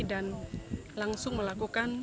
dan langsung melakukan